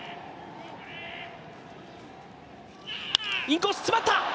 インコース、詰まった！